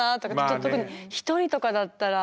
特に一人とかだったら。